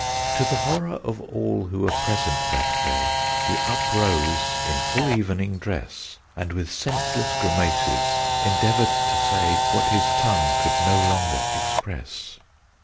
"] To the horror of all who were present that day, He uprose in full evening dress, And with senseless grimaces endeavoured to say What his tongue could no longer express.